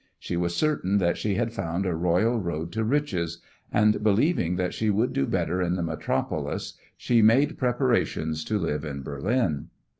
She was certain that she had found a royal road to riches, and believing that she would do better in the metropolis she made preparations to live in Berlin.